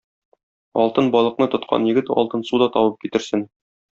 Алтын балыкны тоткан егет алтын су да табып китерсен.